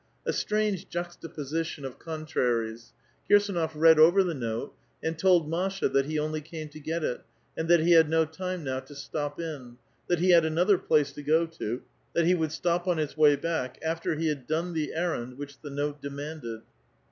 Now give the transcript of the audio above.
A str.iuge juxtai>06ition of conti*anes ! Kirsdnof read over the note, and told Masha that he only came to get it, and that h3 had no time now to stop in ; that be had another place to go to ; that he would stop on his way back, after he had done the eri*and which the note demanded.